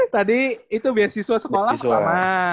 tadi itu beasiswa sekolah pertama